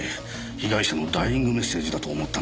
被害者のダイイングメッセージだと思ったんですが。